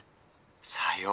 「さよう。